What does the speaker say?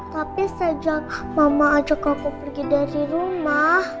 tapi sejak mama ajak aku pergi dari rumah